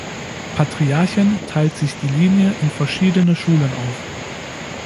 Patriarchen teilt sich die Linie in verschiedene Schulen auf.